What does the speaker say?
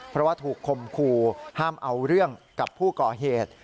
เพราะว่าถูกคมคู่ห้ามเอาเรื่องกับผู้ก่อเหตุ